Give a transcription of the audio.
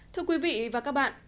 thưa quý vị và các bạn